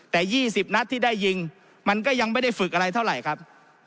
แต่๒๐นัดที่ได้ยิงมันก็ยังไม่ได้ฝึกอะไรเท่าไหร่ครับ